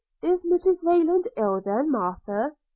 'Is Mrs Rayland ill, then, Martha?'